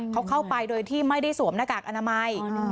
เขาเข้าไปโดยที่ไม่ได้สวมหน้ากากอนามัย